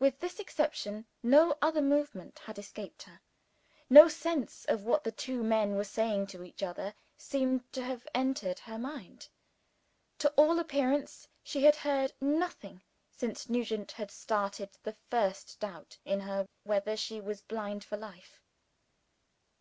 With this exception, no other movement had escaped her. No sense of what the two men were saying to each other seemed to have entered her mind. To all appearance she had heard nothing, since Nugent had started the first doubt in her whether she was blind for life.